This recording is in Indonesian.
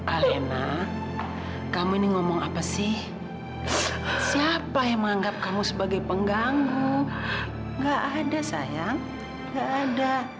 alena kamu ini ngomong apa sih siapa yang menganggap kamu sebagai pengganggu gak ada sayang nggak ada